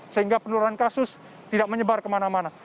sehingga penurunan kasus tidak menyebar kemana mana